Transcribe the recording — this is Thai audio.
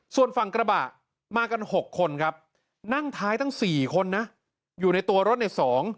ส่วนฝั่งกระบะมากัน๖คนครับนั่งท้ายตั้ง๔คนนะอยู่ในตัวรถใน๒